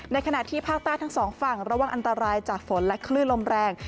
ขณะที่ภาคใต้ทั้งสองฝั่งระวังอันตรายจากฝนและคลื่นลมแรง